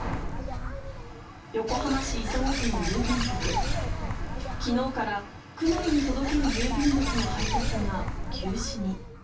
横浜市磯子区の郵便局、きのうから区内に届ける郵便物の配達が休止に。